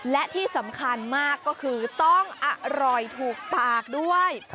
และที่สำคัญมากก็คือต้องอร่อยถูกปากด้วย